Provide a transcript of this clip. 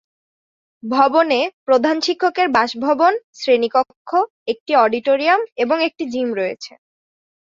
ভবনে প্রধান শিক্ষকের বাসভবন, শ্রেণিকক্ষ, একটি অডিটোরিয়াম এবং একটি জিম রয়েছে।